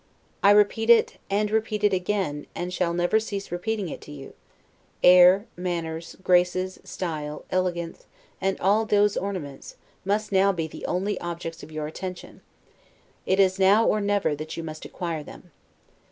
I repeat it, and repeat it again, and shall never cease repeating it to you: air, manners, graces, style, elegance, and all those ornaments, must now be the only objects of your attention; it is now, or never, that you must acquire them.